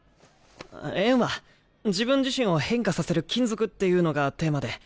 「縁は自分自身を変化させる金属」っていうのがテーマで。